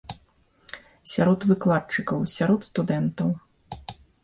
Сярод выкладчыкаў, сярод студэнтаў.